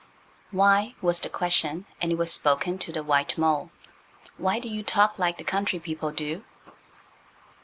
"Why," was the question, and it was spoken to the white mole,–"why do you talk like the country people do?"